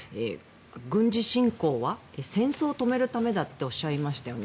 軍事侵攻は戦争を止めるためだとおっしゃいましたよね。